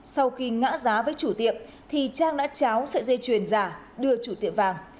sau khi ngã giá với chủ tiệm thì trang đã tráo sợi dây truyền giả đưa chủ tiệm vàng